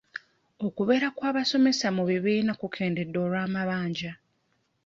Okubeera kw'abasomesa mu bibiina kukendedde olw'amabanja.